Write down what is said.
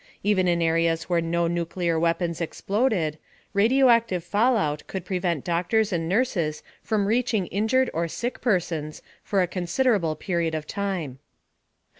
Even in areas where no nuclear weapons exploded, radioactive fallout could prevent doctors and nurses from reaching injured or sick persons for a considerable period of time.